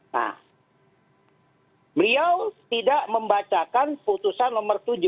nah beliau tidak membacakan putusan nomor tujuh